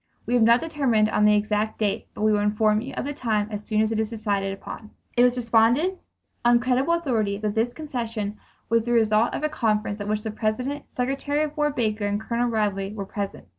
We have not determined on the exact date but we will inform you of the time as soon as it is decided upon." It was reported on credible authority that this concession was the result of a conference at which the President, Secretary of War Baker and Colonel Ridley were present.